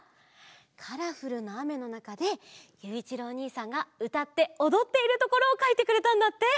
カラフルなあめのなかでゆういちろうおにいさんがうたっておどっているところをかいてくれたんだって！